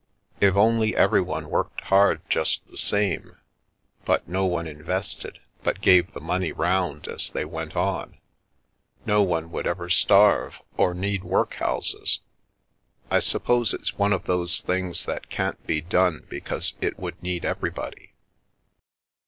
If only everyone worked hard just the same, but no one invested but gave the money round as they went on, no one would ever starve or The Milky Way need workhouses. I suppose it's one of those things that can't be done because it would need everybody."